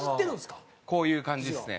こういう感じですね。